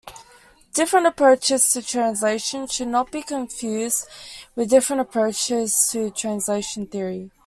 Different approaches to translation should not be confused with different approaches to translation theory.